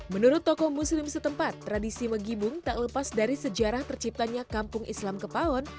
menurut tokoh muslim setempat tradisi megibung tak lepas dari sejarah terciptanya kampung islam kepawon